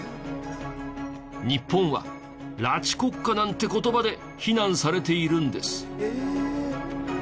日本は「拉致国家」なんて言葉で非難されているんです。